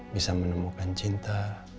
bisa menemukan cinta